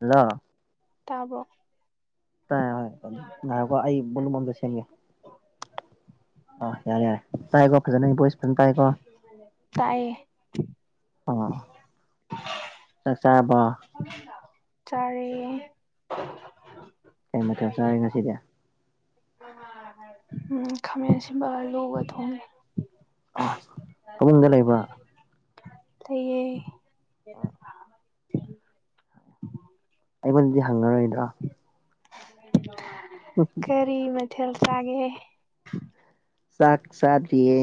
Hello ꯇꯥꯕꯔꯣ ꯇꯥꯏ ꯍꯣꯏ ꯉꯥꯏꯌꯨꯀꯣ ꯑꯩ ꯕꯣꯂꯨꯝ ꯑꯃꯇ ꯁꯦꯝꯒꯦ ꯑꯣ ꯌꯥꯔꯦ ꯌꯥꯔꯦ ꯇꯥꯏꯀꯣ ꯐꯖꯅ ꯑꯩ ꯕꯣꯏꯁ ꯐꯖꯅ ꯇꯥꯏꯀꯣ ꯇꯥꯏꯌꯦ ꯑꯣ ꯆꯥꯛ ꯆꯥꯔꯕꯣ ꯆꯥꯔꯦ ꯀꯩ ꯃꯊꯦꯜ ꯆꯥꯔꯦ ꯉꯁꯤꯗꯤ ꯈꯥꯃꯦꯟ ꯑꯁꯤꯟꯕꯒ ꯑꯂꯨꯒ ꯊꯣꯡꯏ ꯑꯣ ꯐꯃꯨꯡꯗ ꯂꯩꯕ꯭ꯔꯥ ꯂꯩꯌꯦ [unintelligible] ꯑꯩꯉꯣꯟꯗꯗꯤ ꯍꯪꯉꯔꯣꯏꯗ꯭ꯔꯣ [unintelligible] [unintelligible] ꯀꯔꯤ ꯃꯊꯦꯜ ꯆꯥꯒꯦ ꯆꯥꯛ ꯆꯥꯗ꯭ꯔꯤꯌꯦ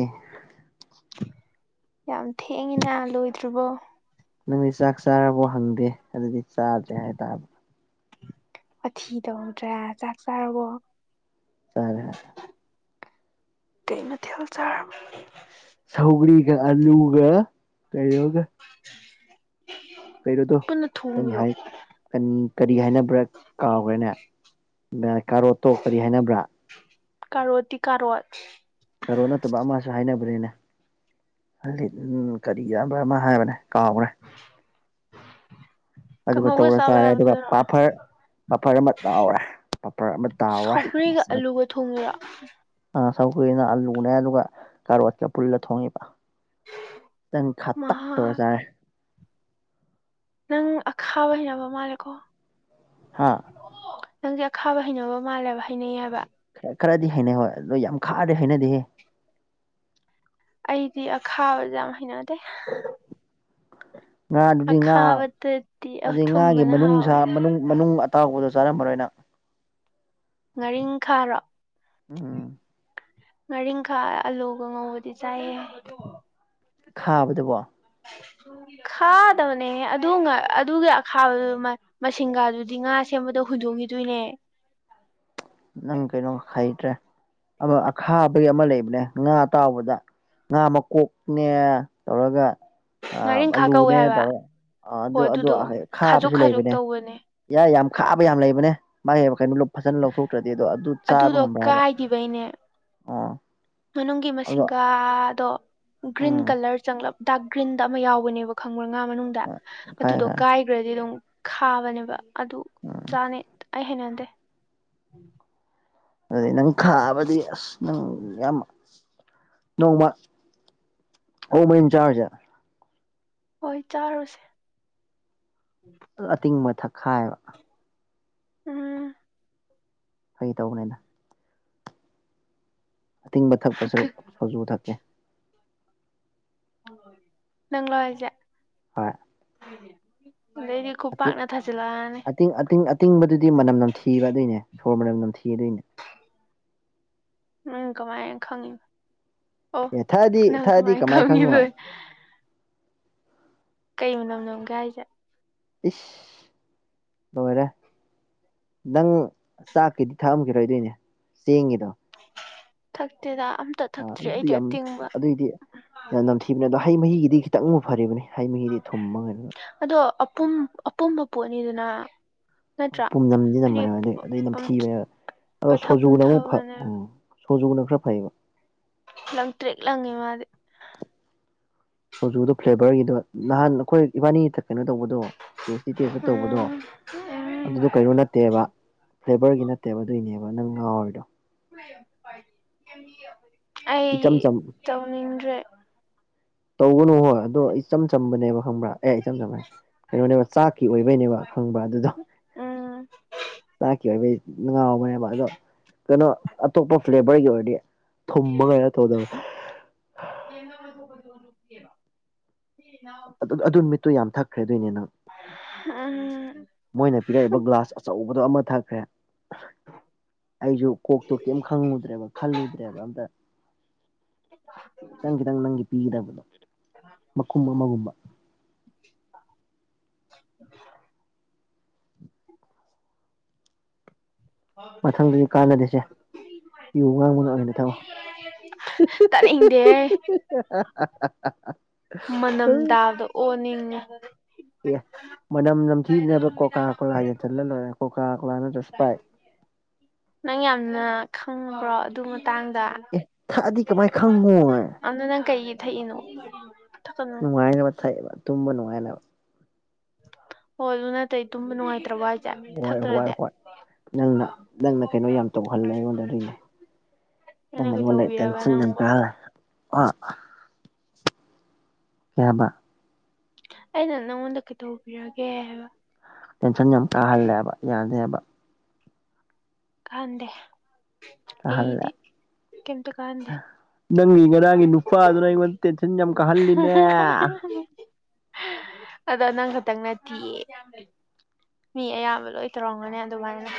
ꯌꯥꯝ ꯊꯦꯡꯏꯅ ꯂꯣꯏꯗ꯭ꯔꯤꯕꯣ ꯅꯪꯗꯤ ꯆꯥꯛ ꯆꯥꯔꯕꯣ ꯍꯪꯗꯦ ꯑꯗꯨꯗꯤ ꯆꯥꯗ꯭ꯔꯦ ꯍꯥꯏꯇꯥꯕ ꯋꯥꯊꯤ ꯇꯧꯗꯔꯥ ꯆꯥꯛ ꯆꯥꯔꯕꯣ ꯆꯂ‌ꯦ ꯀꯩ ꯃꯊꯦꯜ ꯆꯥꯔ ꯁꯧꯒ꯭ꯔꯤꯒ ꯑꯂꯨꯒ ꯀꯩꯅꯣꯒ [unintelligible] ꯀꯩꯩꯅꯣꯗꯣ ꯄꯨꯟꯅ ꯀꯔꯤ ꯊꯣꯡꯉꯤꯔꯣ ꯍꯥꯏ ꯀꯅꯤ ꯀꯔꯤ ꯍꯥꯏꯅꯕ꯭ꯔꯥ ꯀꯥꯎꯒ꯭ꯔꯦꯅꯦ ꯅꯥ ꯀꯥꯔꯣꯠꯇꯣ ꯀꯔꯤ ꯍꯥꯏꯅꯕ꯭ꯔꯥ ꯀꯥꯔꯣꯠꯇꯤ ꯀꯥꯔꯣꯠ ꯀꯥꯔꯣꯠ ꯅꯠꯇꯕ ꯑꯃꯥꯁꯨ ꯍꯥꯏꯅꯕꯔꯅ ꯍꯂꯤꯠ ꯎꯝ ꯀꯔꯤ ꯌꯥꯝꯕ꯭ꯔ ꯑꯃꯥ ꯍꯥꯏꯕꯅꯦ ꯀꯥꯎꯒ꯭ꯔꯦ [unintelligible] ꯑꯗꯨꯒ ꯀꯥꯡꯍꯧꯒ ꯇꯧꯔ ꯆꯥꯕ ꯆꯥꯔꯦ ꯑꯗꯨꯒ ꯌꯥꯕꯗꯨꯔꯣ ꯄꯥꯐꯔ ꯄꯥꯐꯔ ꯑꯃꯥ ꯇꯥꯎꯔꯦ ꯄꯥꯐꯔ ꯑꯃꯥ ꯇꯥꯎꯋ‌ꯦ ꯁꯧꯒ꯭ꯔꯤꯒ ꯃꯁꯛ ꯑꯂꯨꯒ ꯊꯣꯡꯉꯤꯔꯣ ꯑꯥ ꯁꯧꯒꯔꯤ ꯅꯦ ꯑꯜꯂꯨꯅꯦ ꯑꯗꯨꯒ ꯀꯥꯔꯣꯠꯀ ꯄꯨꯜꯂ ꯊꯣꯡꯉꯤꯕ ꯇꯪ ꯈꯥꯇꯛ ꯇꯧꯔꯥ ꯃꯍꯥꯛ ꯆꯥꯔꯦ ꯅꯪ ꯑꯈꯥꯕ ꯍꯩꯅꯕ ꯃꯥꯜꯂꯦꯀꯣ ꯍꯥꯥ ꯅꯪꯖ‌ꯦ ꯑꯈꯥꯕ ꯍꯩꯅꯕ ꯃꯥꯜꯂꯦꯕ ꯍꯩꯅꯩ ꯌ‌ꯦ ꯍꯥꯏꯕ ꯈꯔꯥ ꯈꯔꯥꯗꯤ ꯍꯩꯅꯩ ꯍꯣꯏ ꯑꯗꯣ ꯌꯥꯝ ꯈꯥꯔꯗꯤ ꯍꯩꯅꯗꯦꯍꯦ ꯑꯩꯗꯤ ꯑꯈꯥꯕꯖ‌ꯦ ꯌꯥꯝ ꯍꯩꯅꯗꯦ ꯉꯥ ꯑꯗꯨꯗꯤ ꯉꯥ ꯑꯈꯥꯕꯗꯗꯤ ꯑꯗꯨꯏ ꯉꯥꯒꯤ ꯑꯊꯨꯝꯕꯅ ꯃꯅꯨꯡꯁꯥ ꯍꯥꯎꯋꯦ ꯃꯅꯨꯡ ꯃꯅꯨꯡ ꯑꯇꯥꯎꯕꯗꯣ ꯆꯥꯔꯝ ꯃꯔꯣꯏ ꯅꯪ ꯉꯥꯔꯤꯡ ꯈꯥ ꯔꯣ ꯎꯝ ꯉꯥꯔꯤꯡꯈꯥ ꯑꯂꯨꯒ ꯉꯧꯕꯗꯤ ꯆꯥꯏꯌꯦ ꯈꯥꯕꯗꯨꯕ‌ꯣ ꯈꯥꯗꯕꯅꯦꯍꯦ ꯑꯗꯨ ꯉꯥ ꯑꯗꯨꯒꯤ ꯑꯈꯥꯕꯗꯨ ꯃꯥ ꯃꯁꯤꯡꯒꯥꯥ ꯗꯨꯗꯤ ꯉꯥ ꯁꯦꯝꯕꯗ ꯍꯨꯟꯗꯣꯛ ꯒꯤꯗꯣꯏꯅꯦ ꯅꯪ ꯀꯩꯅꯣ ꯍꯩꯇ꯭ꯔꯦ ꯑꯃꯥ ꯑꯈꯥꯕꯩ ꯑꯃꯥ ꯂꯩꯕꯅꯦ ꯉꯥ ꯑꯇꯥꯎꯕꯗ ꯉꯥ ꯃꯥ ꯀꯣꯛꯅꯦ ꯇꯧꯔꯒ ꯑꯥꯝ ꯉꯥꯔꯤꯡꯈꯥ ꯀꯧꯋꯦ ꯑꯂꯨꯅꯦ ꯍꯥꯏꯕ ꯇꯧꯔꯒ ꯑꯥ ꯍꯣ ꯑꯗꯨ ꯑꯗꯨ ꯑꯗꯨꯗꯣ ꯑꯥ ꯍꯩ ꯈꯥꯖꯣꯛ ꯈꯥꯕꯖꯨ ꯈꯥꯖꯣꯛ ꯂꯩꯕꯅꯦ ꯇꯧꯕꯅꯦ ꯌꯥꯏ ꯌꯥꯝ ꯈꯥꯕ ꯌꯥꯝ ꯂꯩꯕꯅꯦ ꯃꯥꯏ ꯍꯩꯕꯥ ꯀꯩꯅꯣ ꯂꯨꯞ ꯐꯖꯟ ꯂꯧꯊꯣꯛ ꯀꯤꯗꯣ ꯑꯗꯨ ꯆꯥꯕ ꯑꯗꯨꯗꯣ ꯉꯝꯕ꯭ꯔꯥ ꯍꯥꯏꯕ ꯀꯥꯏꯈꯤꯕꯩꯅꯦ ꯑꯣ ꯃꯅꯨꯡꯒꯤ ꯑꯗꯣ ꯃꯁꯤꯡꯒꯥꯗꯣ ꯒ꯭ꯔꯤꯟ ꯎꯝ ꯀꯂꯔ ꯆꯪꯂꯛ ꯑꯞ ꯗꯥꯛ ꯒꯔꯤꯟꯗ ꯑꯃꯥ ꯌꯥꯎꯅꯦꯕ ꯈꯪꯕꯔꯥ ꯉꯥ ꯃꯅꯨꯡꯗ ꯈꯥꯏ ꯑꯗꯨꯗ‌ꯣ ꯈꯥꯏ ꯀꯥꯏ ꯒ꯭ꯔꯗꯤ ꯑꯗꯨꯝ ꯈꯥꯕꯅꯦꯕ ꯑꯗꯨ ꯆꯥꯅꯩ ꯑꯩ ꯍꯩꯅꯗꯦ ꯑꯗꯨꯗꯤ ꯅꯪ ꯈꯥꯕꯗꯤ ꯑꯁ ꯅꯪ ꯌꯥꯝ ꯅꯣꯡꯃꯥ ꯑ‌ꯣꯛ ꯃꯔꯤꯟ ꯆꯥꯔꯨꯖ‌ꯦ ꯍꯣꯏ ꯆꯥꯔꯨꯁꯦ ꯗꯨ ꯑꯇꯤꯡꯕ ꯊꯛ ꯈꯥꯏꯕ ꯎꯝ ꯐꯥꯒꯤ ꯇꯧꯕꯅꯤꯗ ꯑꯇꯤꯡꯕ ꯊꯛꯄ ꯁꯔꯨꯛ ꯁꯣꯖꯨ ꯊꯛꯀꯦ ꯅꯪꯂꯣ ꯍꯥꯏꯖ‌ꯦ ꯍꯣꯏ ꯑꯗꯩꯗꯤ ꯈꯨ ꯄꯥꯛꯅ ꯊꯥꯖꯤꯜ ꯂꯑꯅꯤ ꯇꯤꯡ ꯑꯇꯤꯡ ꯑꯇꯤꯡ ꯕꯗꯨꯗꯤ ꯃꯅꯝ ꯅꯝꯊꯤꯕ ꯑꯗꯨꯏꯅꯦ ꯁꯣꯔ ꯃꯅꯝ ꯅꯝꯊꯤ ꯑꯗꯨꯏ ꯅꯦ ꯅꯪ ꯀꯃꯥꯏꯅ ꯈꯪꯉꯤ ꯑꯣ ꯑꯦ ꯊꯛꯑꯗꯤ ꯅꯪ ꯊꯛꯑꯗꯤ ꯀꯃꯥꯏ ꯈꯪꯉꯤꯕ ꯈꯪꯉꯨꯕ ꯀꯩ ꯃꯅꯝꯅꯣꯝꯒ ꯍꯥꯏꯁꯦ ꯏꯁ ꯂꯣꯏꯔꯦ ꯅꯪ ꯆꯥꯛꯀꯤꯗꯤ ꯊꯛꯑꯝꯈꯤꯔꯣꯏꯗꯣꯏꯅꯦ ꯆꯦꯡꯒꯤꯗꯣ ꯊꯛꯇꯦꯗ ꯑꯝꯇ ꯑꯥ ꯊꯛꯇ꯭ꯔꯤ ꯑꯗꯨ ꯑꯩꯗꯤ ꯑꯇꯤꯡꯕ ꯊꯈꯤꯕꯅꯤ ꯑꯗꯣ ꯍꯩ ꯃꯍꯤꯒꯤꯗꯤ ꯈꯤꯇꯪꯕꯨ ꯐꯔꯤꯕꯅꯤ ꯍꯩ ꯃꯍꯤꯗꯤ ꯊꯨꯝꯃꯒꯩꯅ ꯑꯗꯣ ꯑꯄꯨꯝ ꯑꯄꯨꯝꯕ ꯄꯣꯠꯅꯤꯗꯨꯅ ꯄꯨꯝꯅꯝꯗꯤ ꯅꯝꯕꯅꯦ ꯑꯗꯨꯏ ꯑꯗꯨꯏ ꯅꯝꯊꯤꯕꯅꯦ ꯑꯗꯣ ꯄꯠꯊ ꯁꯣꯖꯨꯅ ꯑꯃꯨꯛ ꯐ ꯄꯨꯝꯊꯕꯅꯦ ꯎꯝ ꯁꯨꯖꯨꯒꯅꯨ ꯈꯔ ꯐꯩꯕ ꯂꯪꯇ꯭ꯔꯤꯛ ꯂꯪꯉꯦ ꯃꯥꯗꯤ ꯁꯨꯖꯨꯗꯣ ꯐ꯭ꯂꯦꯕꯔꯒꯤꯗꯣ ꯅꯍꯥꯟ ꯑꯈꯣꯏ ꯏꯕꯥꯅꯤ ꯀꯩꯅꯣ ꯇꯧꯕꯗꯣ ꯇꯦꯁꯇꯤ ꯇꯦꯁꯇ ꯇꯧꯕꯗꯣ ꯎꯝ ꯎꯝ ꯑꯗꯨꯗꯣ ꯀꯩꯅꯣ ꯅꯠꯇꯦꯕ ꯐ꯭ꯂꯦꯕꯔꯒꯤ ꯅꯠꯇꯦꯕ ꯑꯗꯨꯏꯅꯦꯕ ꯅꯪ ꯉꯥꯎꯔꯤꯗꯣ ꯑꯩ ꯏꯆꯝ ꯆꯝ ꯇꯧꯅꯤꯡꯗ꯭ꯔꯦ ꯇꯧꯒꯅꯨ ꯍꯣꯏ ꯑꯗꯣ ꯏꯆꯝ ꯆꯝꯕꯅꯦꯕ ꯈꯪꯕ꯭ꯔꯥ ꯑꯦ ꯏꯆꯝ ꯆꯝꯃꯌꯦ ꯀꯩꯅꯣꯅꯦꯕ ꯆꯥꯛꯀꯤ ꯑꯣꯏꯕꯩꯅꯦꯕ ꯈꯪꯕ꯭ꯔ ꯑꯗꯨꯗꯣ ꯎꯝ ꯆꯥꯛꯀꯤ ꯑꯣꯏꯕꯩ ꯉꯥꯎꯕꯅꯦꯕ ꯑꯗꯣ ꯀꯩꯅꯣ ꯑꯇꯣꯞꯄ ꯐ꯭ꯂꯦꯕꯔꯒꯤ ꯑꯣꯏꯔꯗꯤ ꯊꯨꯝꯕꯒꯩꯅ ꯇꯧꯗꯕ [unintelligible] ꯑꯗꯨ ꯑꯗꯨ ꯅꯨꯃꯤꯠꯇꯨ ꯌꯥꯝ ꯊꯛꯈ꯭ꯔꯦꯗꯣꯏꯅꯤ ꯅꯪ ꯑ ꯃꯣꯏꯅ ꯄꯤꯔꯛꯏꯕ ꯒ꯭ꯂꯥꯁ ꯑꯆꯧꯕꯗꯣ ꯑꯃ ꯊꯛꯈ꯭ꯔꯦ ꯑꯩꯁꯨ ꯀꯣꯛꯇꯣ ꯀꯩꯝ ꯈꯪꯉꯨꯗ꯭ꯔꯦꯕ ꯈꯜꯂꯨꯗ꯭ꯔꯦꯕ ꯑꯝꯇ ꯈꯤꯇꯪ ꯈꯤꯇꯪ ꯅꯪꯒꯤ ꯄꯤꯒꯗꯕꯗꯣ ꯀ ꯃꯈꯨꯝ ꯑꯃꯒꯨꯝꯕ ꯃꯊꯪꯗꯗꯤ ꯀꯥꯟꯅꯗꯦꯁꯦ ꯌꯨ ꯉꯥꯡꯕꯅ ꯑꯣꯏꯅ ꯊꯛꯑꯣ [unintelligible] ꯇꯅꯤꯡꯗꯦꯍꯦ [unintelligible] ꯃꯅꯝ ꯇꯥꯕꯗ ꯑꯣꯅꯤꯡꯉꯦ ꯑꯦ ꯃꯅꯝ ꯅꯝꯊꯤꯗꯅꯕ ꯀꯣꯀꯥ ꯀꯣꯂꯥꯗ ꯌꯥꯆꯠꯂ ꯂꯣꯏꯔꯦ ꯀꯣꯀꯥ ꯀꯣꯂꯥ ꯅꯠꯇꯔ ꯅꯪ ꯌꯥꯝꯅ ꯈꯪꯕ꯭ꯔꯣ ꯑꯗꯨ ꯃꯇꯥꯡꯗ ꯑꯦ ꯊꯛꯑꯗꯤ ꯀꯃꯥꯏ ꯈꯪꯉꯣꯏ ꯑꯗꯨ ꯅꯪ ꯀꯩꯒꯤ ꯊꯛꯏꯅꯣ ꯊꯛꯀꯅꯨ ꯅꯨꯡꯉꯥꯏꯅꯕ ꯊꯛꯏꯕ ꯇꯨꯝꯕ ꯅꯨꯡꯉꯥꯏꯅꯕ ꯍꯣ ꯑꯗꯨ ꯅꯠꯇꯩ ꯇꯨꯝꯕ ꯅꯨꯡꯉꯥꯏꯇ꯭ꯔꯕꯣ ꯍꯥꯏ ꯍꯣꯏ ꯍꯣꯏ ꯍꯣꯏ ꯅꯪꯅ ꯅꯪꯅ ꯀꯩꯅꯣ ꯌꯥꯝ ꯇꯧꯍꯜꯂꯦ ꯑꯩꯉꯣꯟꯗ ꯑꯗꯨꯏꯅꯦ ꯅꯪ ꯑꯩꯅ ꯑꯩꯉꯣꯟꯗ ꯀꯩꯇꯧꯕꯤꯔꯕ ꯇꯦꯟꯁꯟ ꯌꯥꯝ ꯅꯪꯕꯣ ꯀꯍꯜꯂꯦ ꯑ ꯀꯩ ꯍꯥꯏꯕ ꯑꯩꯅ ꯅꯪꯉꯣꯟꯗ ꯀꯩꯗꯧꯕꯤꯔꯒꯦ ꯍꯥꯏꯕ ꯇꯦꯟꯁꯟ ꯌꯥꯝ ꯀꯥꯍꯜꯂꯦꯕ ꯌꯥꯗꯦꯕ ꯀꯍꯟꯗꯦ ꯀꯥꯍꯜꯂꯦ ꯑꯩꯗꯤ ꯀꯝꯇ ꯀꯍꯟꯗꯦ ꯅꯪꯒꯤ ꯉꯔꯥꯡꯒꯤ ꯅꯨꯄꯥꯗꯨꯅ ꯑꯩꯉꯣꯟꯗ ꯇꯦꯟꯁꯟ ꯌꯥꯝ ꯀꯥꯍꯜꯂꯤꯅꯦ [unintelligible] ꯑꯗꯣ ꯅꯪ ꯈꯛꯇꯪ ꯅꯠꯇꯤꯌꯦ ꯃꯤ ꯑꯌꯥꯝꯕ ꯂꯣꯏ ꯇꯧꯔꯝꯒꯅꯤ ꯑꯗꯨꯃꯥꯏꯅ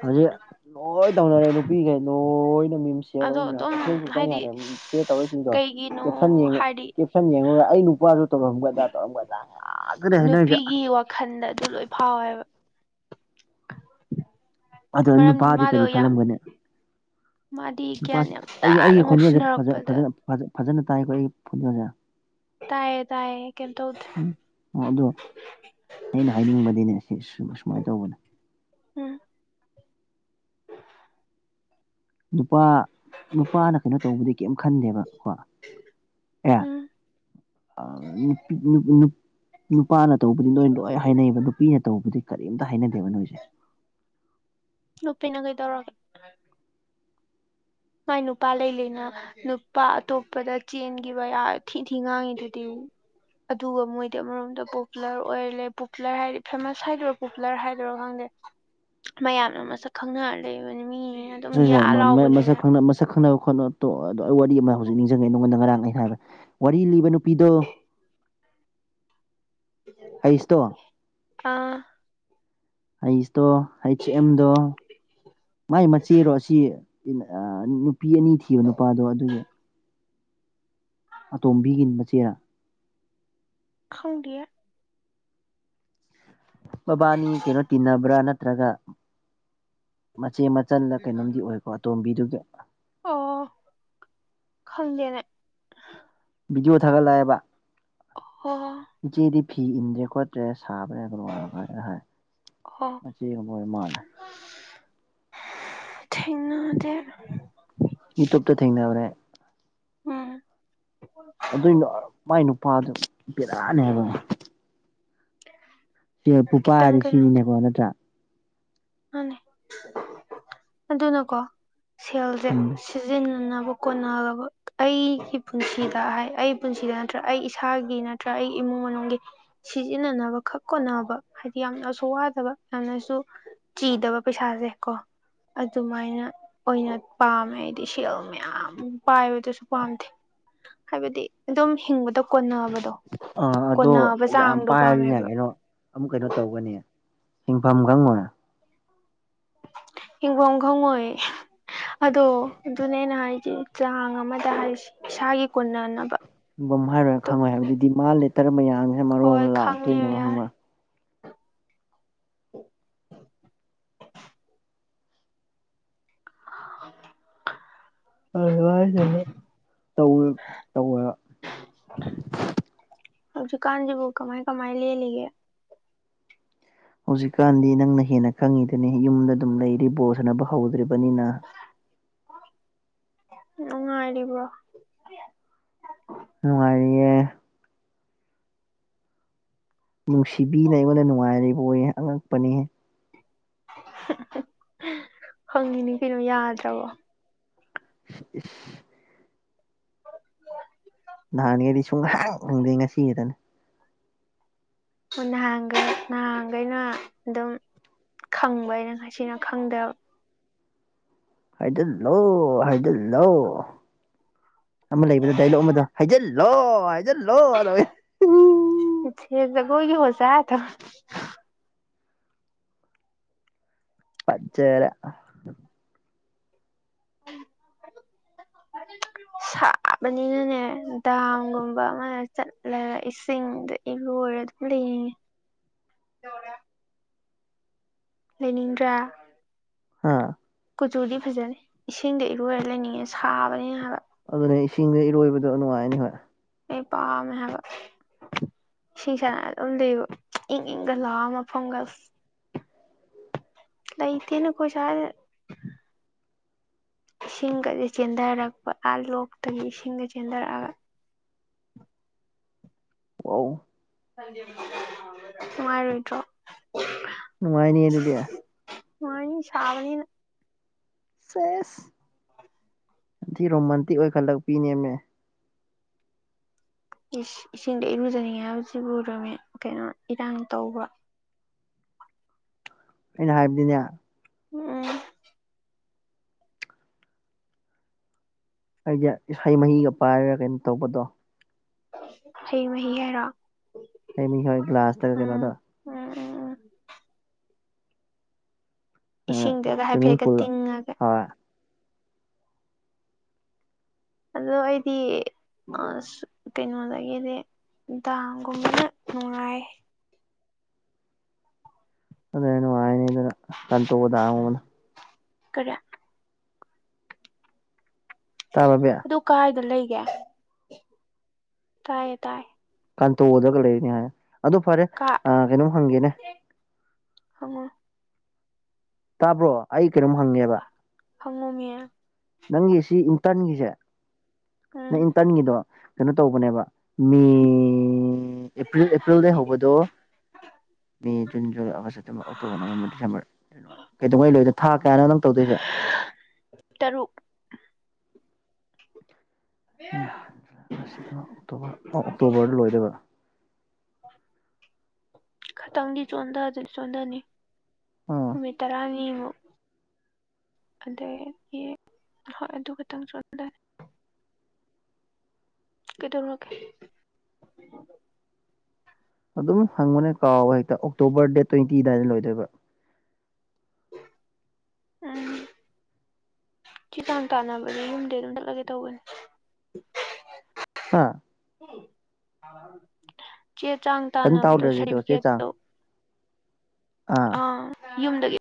ꯍꯧꯖꯤꯛ ꯂꯣꯏ ꯇꯧꯅꯔꯦ ꯅꯨꯄꯤꯈꯩ ꯅꯣꯏꯅ ꯃꯤꯝ ꯁꯦꯌꯔ ꯑꯗꯣ ꯇꯧꯅ ꯑꯗꯨꯝ ꯑꯦ ꯐꯦꯁꯕꯨꯛ ꯆꯪ ꯍꯥꯏꯗꯤ ꯌꯥꯗ꯭ꯔꯦ ꯁꯦꯌꯔ ꯇꯧꯔꯛꯏ ꯁꯤꯡꯗꯣ ꯀꯩꯒꯤꯅꯣ ꯀꯦꯞꯁꯟ ꯌꯦꯡꯉ ꯍꯥꯏꯗꯤ ꯀꯦꯞꯁꯟ ꯌꯦꯡꯉꯨꯔꯒ ꯑꯩ ꯅꯨꯄꯥꯁꯨ ꯇꯧꯔꯝꯒꯕ ꯑꯗꯥ ꯇꯧꯔꯝꯒꯕꯗꯥ ꯅꯨꯄꯤꯒꯤ ꯋꯥꯈꯜꯗ ꯑꯗꯨ ꯂꯣꯏ ꯐꯥꯎꯋꯦꯕ ꯑꯗꯣ ꯑꯩ ꯃꯔꯝꯗꯤ ꯅꯨꯄꯥꯗꯤ ꯃꯥꯗꯣ ꯀꯔꯤ ꯌꯥꯝ ꯈꯜꯂꯝꯒꯅꯤ ꯃꯥꯗꯤ ꯅꯨꯄꯥ ꯒ꯭ꯌꯥꯟ ꯌꯥꯝ ꯑꯩꯒꯤ ꯇꯥꯅ ꯑꯩꯒꯤ ꯈꯣꯟꯖꯦꯜꯁꯦ ꯉꯧꯁꯤꯟꯅꯔꯛꯄꯗ ꯐꯖ [unintelligible] ꯐꯖꯅ ꯇꯥꯏꯀꯣ ꯑꯩꯒꯤ ꯈꯣꯟꯖꯦꯜꯁꯦ ꯇꯥꯏꯌꯦ ꯇꯥꯏꯌꯦ ꯀꯦꯝ ꯇꯧꯗꯦ ꯎꯝ ꯑꯣ ꯑꯗꯣ ꯑꯩꯅ ꯍꯥꯏꯅꯤꯡꯕꯗꯤꯅꯦ ꯁꯤ ꯑꯁꯨꯃꯥꯏꯟ ꯇꯧꯕꯅꯦ ꯎꯝ ꯅꯨꯄꯥ ꯅꯨꯄꯥꯅ ꯀꯩꯅꯣ ꯇꯧꯕꯗꯤ ꯀꯩꯝ ꯈꯟꯗꯦꯕ ꯀꯣ ꯑꯦ ꯎꯝ ꯑꯥ ꯅꯨꯄꯤ ꯅꯨꯞ ꯅꯨꯞ ꯅꯨꯄꯥꯅ ꯇꯧꯕꯗꯤ ꯅꯣꯏ ꯂꯣꯏ ꯍꯥꯏꯅꯩꯌꯦꯕ ꯅꯨꯄꯤꯅ ꯇꯧꯕꯗꯤ ꯀꯔꯤꯝꯇ ꯍꯥꯏꯅꯗꯦꯕ ꯅꯣꯏꯁꯦ ꯅꯨꯄꯤꯅ ꯀꯩꯗꯧꯔꯒꯦ ꯃꯥꯏ ꯅꯨꯄꯥ ꯂꯩ ꯂꯩꯅ ꯅꯨꯄꯥ ꯑꯇꯣꯞꯄꯗ ꯆꯦꯟꯈꯤꯕ [unintelligible] ꯊꯤ ꯊꯤ ꯉꯥꯡꯉꯤꯗꯨꯗꯤ ꯑꯗꯨꯒ ꯃꯣꯏꯗꯤ ꯑꯃꯔꯣꯝꯗ ꯄꯣꯄꯨꯂꯔ ꯑꯣꯏꯔ ꯂꯩ ꯄꯣꯄꯨꯂꯔ ꯍꯥꯏꯔꯗꯤ ꯐꯦꯃꯁ ꯍꯥꯏꯗꯣꯔꯣ ꯄꯣꯄꯨꯂꯔ ꯍꯥꯏꯗꯣꯔꯥ ꯈꯪꯗꯦ ꯃꯌꯥꯝꯅ ꯃꯁꯛ ꯈꯪꯅꯔ ꯂꯩꯕ ꯃꯤꯅꯤ [unintelligible] ꯃꯁꯛ ꯈꯪꯅ ꯃꯁꯛ ꯁꯛ ꯈꯪꯅꯕ ꯈꯣꯠꯅꯕꯗ ꯇꯣꯛꯑꯣꯗ ꯑꯩ ꯋꯥꯔꯤ ꯑꯃ ꯍꯧꯖꯤꯛ ꯅꯤꯡꯁꯤꯡꯉꯦ ꯅꯉꯣꯟꯗ ꯉꯔꯥꯡ ꯑꯩꯅ ꯍꯥꯏꯕ ꯋꯥꯔꯤ ꯂꯤꯕ ꯅꯨꯄꯤꯗꯣ ꯍꯩꯁꯇꯣ ꯑꯥ ꯍꯩꯁꯇꯣ ꯍꯩꯆ ꯑꯦꯝꯗꯣ ꯃꯥꯏ ꯃꯆꯦꯔꯣ ꯑꯁꯤ [unintelligible] ꯅꯨꯄꯤ ꯑꯅꯤ ꯊꯤꯕ ꯅꯨꯄꯥꯗꯣ ꯑꯗꯨꯒꯤ ꯑꯇꯣꯝꯕꯤꯒꯤ ꯃꯆꯦꯔꯥ ꯈꯪꯗꯦꯌꯦ ꯃꯕꯥꯅꯤ ꯀꯩꯅꯣ ꯇꯤꯟꯅꯕ꯭ꯔꯥ ꯅꯠꯇ꯭ꯔꯒ ꯃꯆꯦ ꯃꯆꯜꯂ ꯀꯩꯅꯣꯝꯗꯤ ꯑꯣꯏꯀꯣ ꯑꯇꯣꯝꯕꯤꯗꯨꯒꯤ ꯑꯣ ꯈꯪꯗꯦꯅꯦ ꯚꯤꯗꯤꯑꯣ ꯊꯥꯒꯠꯂꯛꯑꯦꯕ ꯑꯣ ꯍꯣ ꯏꯆꯦꯗꯤ ꯐꯤ ꯏꯟꯗ꯭ꯔꯦ ꯀꯣꯠ ꯃꯆꯦ ꯁꯥꯕ꯭ꯔꯥ [unintelligible] ꯑꯣ ꯃꯆꯦꯒꯨꯝꯕ ꯑꯣꯏ ꯃꯥꯜꯂꯦ ꯊꯦꯡꯅꯗꯦ ꯌꯨꯇꯨꯨꯞꯇ ꯊꯦꯡꯅꯕꯅꯦ ꯎꯝ ꯑꯗꯨꯏ ꯅ ꯃꯥꯏ ꯅꯨꯄꯥꯗꯨ ꯕꯦꯔꯥꯅꯦ ꯍꯥꯏꯕ [unintelligible] ꯁꯦꯜꯄꯨ ꯈꯤꯇꯪ ꯄꯥꯢꯔꯗꯤ ꯁꯤꯅꯤꯅꯦꯀꯣ ꯅꯠꯇ꯭ꯔꯥ ꯃꯥꯅꯤ [unintelligible] ꯑꯗꯨꯅꯀꯣ ꯁꯦꯜꯖꯦ ꯎꯝ ꯁꯤꯖꯤꯟꯅꯅꯕ ꯀꯣꯅꯔꯕ ꯑꯩꯒꯤ ꯄꯨꯟꯁꯤꯗ ꯍꯥꯏ ꯑꯩ ꯄꯨꯟꯁꯤꯗ ꯅꯠꯇ꯭ꯔꯒ ꯑꯩ ꯏꯁꯥꯒꯤ ꯅꯠ ꯇ꯭ꯔꯥ ꯑꯩ ꯏꯃꯨꯡ ꯃꯅꯨꯡꯒꯤ ꯁꯤꯖꯤꯟꯅꯅꯕ ꯈꯛ ꯀꯣꯟꯅꯕ ꯍꯥꯏꯗꯤ ꯌꯥꯝꯅꯁꯨ ꯋꯥꯗꯕ ꯌꯥꯝꯅꯁꯨ ꯆꯤꯗꯕ ꯄꯩꯁꯥꯖꯦ ꯀꯣ ꯑꯗꯨꯃꯥꯏꯅ ꯑꯣꯏꯅ ꯄꯥꯝꯃꯦ ꯑꯩꯗꯤ ꯁꯦꯜ ꯃ꯭ꯌꯥꯝ ꯄꯥꯏꯕꯗꯨꯁꯨ ꯄꯥꯝꯗꯦ ꯍꯥꯏꯕꯗꯤ ꯑꯗꯨꯝ ꯍꯤꯡꯕꯗ ꯀꯣꯟꯅꯕꯗꯣ ꯑꯥ ꯑꯗꯣ ꯀꯣꯟꯅꯕ ꯌꯥꯝ ꯆꯥꯡꯗꯣ ꯄꯥꯏꯔꯗꯤꯅꯦ ꯄꯥꯝꯃꯦꯕ ꯀꯩꯅꯣ ꯑꯃꯨꯛ ꯀꯩꯅꯣ ꯇꯧꯒꯅꯤ ꯍꯤꯡꯐꯝ ꯈꯪꯉꯣꯏ ꯍꯤꯡ ꯕꯝ ꯈꯪꯉꯣꯏ ꯑꯗꯣ ꯑꯗꯨꯅꯦ ꯑꯩꯅ ꯍꯥꯏꯖꯦ ꯆꯥꯡ ꯑꯃꯗ ꯍꯥꯏꯁꯤ ꯏꯁꯥꯒꯤ ꯀꯣꯟꯅꯅꯕ ꯝ ꯍꯥꯏꯔ ꯑꯗꯨꯝ ꯈꯪꯉꯣꯏ ꯍꯥꯏꯕꯗꯤ ꯗꯤꯃꯥꯟ ꯂꯦꯇꯔ ꯃꯌꯥꯝꯁꯤꯅ ꯃꯔꯣꯜ ꯍꯣꯏ ꯑꯃ ꯈꯪꯉꯦ ꯂꯥꯛꯇꯣꯏꯅꯦꯕ ꯌꯥꯔꯦ ꯈꯪꯕ꯭ꯔꯥ꯫ [inaudible] [inaudible] [inaudible] ꯑꯗꯨꯗꯨꯅ ꯑꯩꯁꯤ ꯃꯨꯛ ꯇꯧ ꯇꯧꯋꯦꯕ꯫ ꯍꯧꯖꯤꯛꯀꯟꯁꯤꯕꯨ ꯀꯃꯥꯏ ꯀꯃꯥꯏ ꯂꯦꯜꯂꯤꯒꯦ꯫ ꯍꯧꯖꯤꯛꯀꯥꯟꯗꯤ ꯅꯪꯅ ꯍꯦꯟꯅ ꯈꯪꯉꯤꯗꯨꯅꯤ ꯌꯨꯝꯗ ꯑꯗꯨꯝ ꯂꯩꯔꯤ ꯕꯣꯔ ꯁꯅꯕ ꯍꯧꯗ꯭ꯔꯤꯕꯅꯤꯅ꯫ ꯅꯨꯡꯉꯥꯏꯔꯤꯕ꯭ꯔꯣ꯫ ꯅꯨꯡꯉꯥꯏꯔꯤꯌꯦ꯫ ꯅꯨꯡꯁꯤꯕꯤꯅ ꯑꯩꯉꯣꯟꯗ ꯅꯨꯡꯉꯥꯏꯔꯤꯕꯣꯌꯦ ꯑꯉꯛꯄꯅꯤꯍꯦ꯫ [inaudible] ꯈꯪꯉꯤꯅꯤ ꯀꯩꯅꯣ ꯌꯥꯗ꯭ꯔꯕꯣ꯫ [inaudible] ꯅꯍꯥꯟꯉꯩꯗꯤ ꯁꯨꯡꯍꯥꯡ ꯈꯪꯗꯦ ꯉꯁꯤꯈꯇꯅꯦ꯫ ꯍꯣ ꯅꯍꯥꯟꯒꯩ ꯅꯍꯥꯟꯈꯩꯅ ꯑꯗꯨꯝ ꯈꯪꯕ ꯑꯩꯅ ꯉꯁꯤꯅ ꯈꯪꯗꯕ꯫ ꯍꯥꯏꯖꯤꯜꯂꯣ ꯍꯥꯏꯖꯤꯜꯂꯣ ꯑꯃ ꯂꯩꯕꯗ ꯗꯥꯏꯂꯣꯛ ꯑꯃꯗꯣ ꯍꯥꯏꯖꯜ ꯂꯣ ꯍꯥꯏꯖꯜꯂꯣ ꯇꯧꯕꯩꯗꯣ [inaudible] ꯃꯨꯊꯤ ꯖꯒꯣꯏꯒꯤ ꯑꯣꯖꯥꯔꯗꯤ꯫ ꯐꯠꯖꯥꯔꯦ꯫ [inaudible] [inaudible] ꯆꯥꯕꯅꯤꯅꯅꯦ ꯗꯥꯝꯒꯨꯝꯕ ꯑꯃꯅ ꯆꯠꯂꯒ ꯏꯁꯤꯡꯗ ꯏꯔꯣꯏꯔ ꯑꯗꯨꯝ ꯂꯩꯅꯤꯉꯦ꯫ [inaudible] ꯇꯧꯔꯦ꯫ ꯂꯩꯅꯤꯡꯗ꯭ꯔꯥ꯫ ꯍꯥꯥ꯫ ꯀꯨꯆꯨꯗꯤ ꯐꯖꯅꯤ ꯏꯁꯤꯡꯗ ꯏꯔꯣꯏꯔ ꯂꯩꯅꯤꯡꯉꯦ ꯁꯥꯕꯅꯤꯅ ꯍꯥꯏꯕ꯫ ꯑꯗꯨꯅꯦ ꯏꯁꯤꯡꯗ ꯏꯔꯣꯏꯕꯗꯣ ꯅꯨꯡꯉꯥꯏꯅꯤ ꯍꯣꯏ꯫ ꯑꯦ ꯄꯝꯃꯦ ꯍꯥꯏꯕ꯫ ꯁꯤꯁꯥ ꯎꯠꯂꯤꯕ ꯏꯪꯏꯪꯒ ꯂꯥꯎꯔ ꯃꯐꯝꯒꯁꯦ꯫ [inaudible] ꯂꯩꯇꯦꯅꯦ ꯑꯈꯣꯏ ꯁ꯭ꯋꯥꯏꯗ꯫ ꯏꯁꯤꯡꯒꯗꯤ ꯆꯦꯟꯊꯔꯛꯄ ꯑꯥ ꯂꯣꯛꯇꯒꯤ ꯏꯁꯤꯡꯒ ꯆꯦꯟꯊꯔꯛꯑꯒ꯫ ꯋꯥꯎ꯫ ꯅꯨꯉꯥꯏꯔꯣꯏꯗ꯭ꯔꯣ꯫ ꯅꯨꯉꯥꯏꯅꯤ ꯁꯕꯅꯤꯅ꯫ ꯁꯦꯁ꯫ ꯊꯤ ꯔꯣꯃꯥꯟꯇꯤꯛ ꯑꯣꯏꯈꯠꯂꯛꯄꯤꯅꯦꯃꯤ꯫ ꯏꯁ ꯏꯁꯤꯡꯗ ꯏꯔꯨꯖꯅꯤꯡꯉꯤ ꯍꯥꯏꯕꯁꯤꯕꯨ ꯔꯣꯃꯦꯟ ꯀꯩꯅꯣ ꯏꯔꯥꯡ ꯇꯧꯕ꯭ꯔꯣ? ꯑꯩꯅ ꯍꯥꯏꯕꯗꯤꯅꯦ꯫ ꯎꯝ꯫ ꯍꯥꯏꯗꯤ ꯏꯁꯩ ꯃꯍꯤꯒ ꯄꯥꯏꯔꯒ ꯀꯩꯅꯣ ꯇꯧꯕꯗꯣ꯫ ꯍꯩ ꯃꯍꯤ ꯍꯥꯏꯔꯣ? ꯍꯩ ꯃꯍꯤ ꯍꯣꯏ ꯒ꯭ꯂꯥꯁꯇꯒ ꯎꯝ ꯀꯩꯅꯣ ꯇꯧ꯫ ꯎꯝ ꯎꯝ ꯎꯝ꯫ ꯏꯁꯤꯡꯗꯨꯒ ꯁ꯭ꯋꯤꯝꯃꯤꯡ ꯍꯥꯏꯐꯦꯠꯀ ꯄꯨꯜꯗ ꯇꯤꯡꯉꯒ꯫ ꯍꯣꯏ ꯑꯗꯣ ꯑꯩꯗꯤ ꯃꯁꯨ ꯀꯩꯅꯣꯗꯒꯤꯗꯤ꯫ ꯗꯥꯡꯒꯨꯝꯕꯅ ꯅꯨꯡꯉꯥꯏ ꯑꯗꯨꯅ ꯅꯨꯡꯉꯥꯏꯅꯤ ꯑꯗꯨꯅ ꯀꯟꯇꯣꯗꯥꯡꯉꯧꯕꯅ ꯀꯔꯤꯌꯥ ꯇꯥꯔꯕꯦ ꯑꯗꯨ ꯀꯥꯏꯗ ꯂꯩꯒꯦ ꯇꯥꯏꯌꯦ ꯇꯥꯏ ꯀꯥꯟꯇꯣꯗꯒ ꯂꯩꯅꯤ ꯍꯥꯏ ꯑꯗꯨ ꯐꯔꯦ ꯀꯥ ꯀꯩꯅꯣꯝ ꯍꯪꯒꯦꯅꯦ ꯍꯪꯉꯣ ꯇꯥꯕ꯭ꯔꯣ ꯑꯩ ꯀꯩꯅꯣꯝ ꯍꯪꯉꯦꯕ ꯍꯪꯉꯣꯃꯤ ꯅꯪꯒꯤ ꯁꯤ ꯏꯟꯇ꯭ꯔꯟꯒꯤꯁꯦ ꯎꯝ ꯅꯪ ꯏꯟꯇ꯭ꯔꯟꯒꯤꯗꯣ ꯀꯩꯅꯣ ꯇꯧꯕꯅꯦꯕ ꯃ ꯑꯦꯄ꯭ꯔꯤꯜ ꯑꯦꯄ꯭ꯔꯤꯜꯗꯩ ꯍꯧꯕꯗꯣ May June July August September October November December ꯂꯣꯏ ꯀꯩꯗꯧꯉꯩ ꯂꯣꯏꯗ ꯊꯥ ꯀꯌꯥꯅꯣ ꯅꯪ ꯇꯧꯗꯣꯏꯁꯦ ꯇꯔꯨꯛ ꯑꯦ ꯑꯒꯁ ꯁꯦꯞꯇꯦꯝꯕꯔ ꯑꯣꯛꯇꯣꯕꯔ ꯑꯣ ꯑꯣꯛꯇꯣꯕꯔꯗ ꯂꯣꯏꯗꯣꯏꯕ ꯈꯇꯪꯗꯤ ꯆꯣꯟꯗꯖꯤ ꯆꯣꯟꯗꯅꯤ ꯑꯥ ꯅꯨꯃꯤꯠ ꯇꯔꯥꯅꯤꯃꯨꯛ ꯑꯗꯩꯒꯤ ꯍꯣꯏ ꯑꯗꯨ ꯈꯇꯪ ꯆꯣꯟ__ ꯀꯩꯗꯧꯔꯒꯦ ꯑꯗꯨꯝ ꯍꯪꯕꯅꯦ ꯀꯥꯎꯋꯦ ꯍꯦꯛꯇ ꯑꯣꯛꯇꯣꯕꯔ ꯗꯦꯠ ꯇ꯭ꯋꯦꯟꯇꯤ ꯑꯗꯥꯏꯗ ꯂꯣꯏꯗꯣꯏꯕ ꯎꯝ ꯆꯦ ꯆꯥꯡ ꯇꯥꯟꯅꯕꯗꯤ ꯌꯨꯝꯗ ꯑꯗꯨꯝ ꯆꯠꯂꯒꯦ ꯇꯧꯕꯅꯤ ꯍꯥꯥ ꯆꯦ ꯆꯥꯡ ꯐꯖꯅ ꯇꯥꯟꯅꯕꯗꯣ ꯇꯥꯎꯗ꯭ꯔꯁꯨ ꯍꯦꯛꯇ ꯆꯦ ꯆꯥꯡ ꯁꯥꯔꯗꯤꯕꯤꯒꯦꯠꯇꯣ ꯑꯥ ꯌꯨꯝꯗꯒꯤ